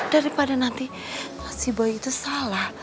daripada nanti si bayi itu salah